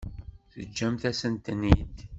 Teǧǧamt-asent-ten-id.